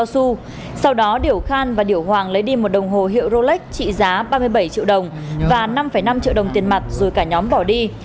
sau đó điểu khan và điều hoàng lấy đi một đồng hồ hiệu rolex trị giá ba mươi bảy triệu đồng và năm năm triệu đồng tiền mặt rồi cả nhóm bỏ đi